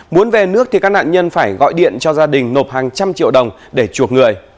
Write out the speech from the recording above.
muốn về nước thì các nạn nhân phải gọi điện cho gia đình nộp hàng trăm triệu đồng để chuộc người